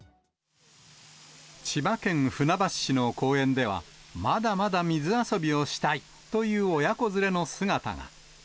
千葉県船橋市の公園では、まだまだ水遊びをしたいという親子連れの姿が。